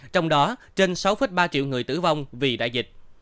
trong đó trên sáu ba triệu người tử vong vì đại dịch